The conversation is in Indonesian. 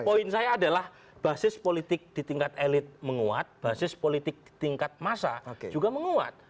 poin saya adalah basis politik di tingkat elit menguat basis politik tingkat masa juga menguat